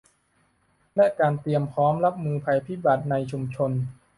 และการเตรียมพร้อมรับมือภัยพิบัติในชุมชน